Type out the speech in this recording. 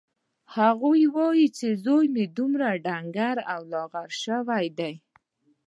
هغې وویل چې زوی مې څومره ډنګر او لاغر شوی دی